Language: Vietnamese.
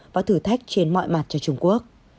và thử thách trên mọi mặt cho trung quốc